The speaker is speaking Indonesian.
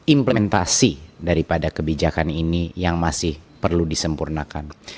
implementasi daripada kebijakan ini yang masih perlu disempurnakan